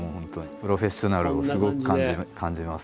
プロフェッショナルをすごく感じます。